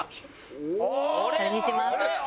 これにします。